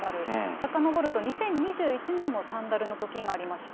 さかのぼると、２０２１年もサンダルのときがありました。